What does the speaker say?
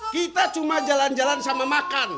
kita cuma jalan jalan sama makan